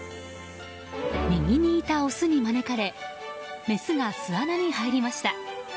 右にいたオスに招かれメスが巣穴に入りました。